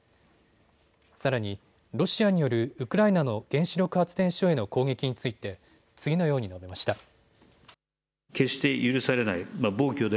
さらにロシアによるウクライナの原子力発電所への攻撃について次のように述べました。